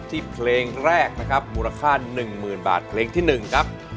ที่เพลงแรกนะครับมูรค่าหนึ่งหมื่นบาทเพลงที่หนึ่งครับ